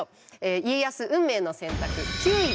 家康運命の選択９位は？